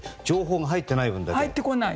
情報が入っていない分だけ。